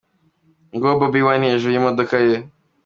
Nguwo Bobbi Wine hejuru y'imodoka ye.